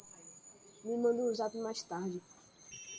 Me manda um zap mais tarde